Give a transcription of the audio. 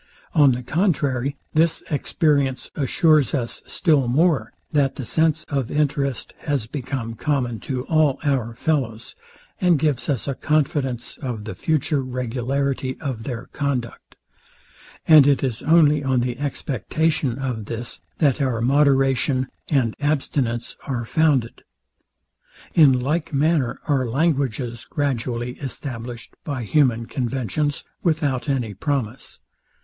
On the contrary, this experience assures us still more, that the sense of interest has become common to all our fellows, and gives us a confidence of the future regularity of their conduct: And it is only on the expectation of this, that our moderation and abstinence are founded. In like manner are languages gradually established by human conventions without any promise.